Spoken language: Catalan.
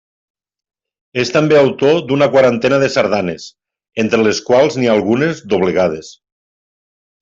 És també autor d'una quarantena de sardanes, entre les quals n'hi ha algunes d'obligades.